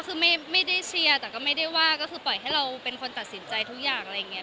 คุณแม่ไม่ได้เชียร์ค่ะก็คือไม่ได้เชียร์แต่ก็ไม่ได้ว่าก็คือปล่อยให้เราเป็นคนตัดสินใจทุกอย่างอะไรอย่างเงี้ย